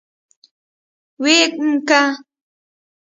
ويم که.